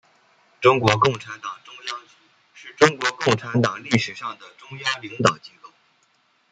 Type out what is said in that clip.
中国共产党中央局是中国共产党历史上的中央领导机构。